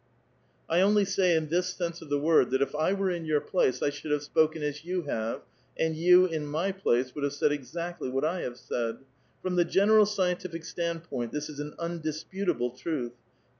1 only say in this sense of tlie word, that if I were in your place I should have sjKiken as you have, and you in my place would have said exactly what I have said. From the general scientific stand[>oint, this is an undisputable truth.